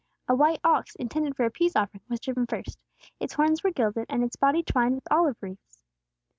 A white ox, intended for a peace offering, was driven first; its horns were gilded, and its body twined with olive wreaths.